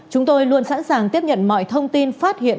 chúng tôi luôn sẵn sàng tiếp nhận mọi thông tin phát hiện